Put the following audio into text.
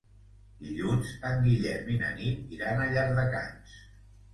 Dilluns en Guillem i na Nit iran a Llardecans.